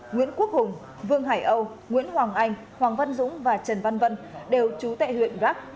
nguyễn quốc hùng vương hải âu nguyễn hoàng anh hoàng văn dũng và trần văn vân đều trú tại huyện grab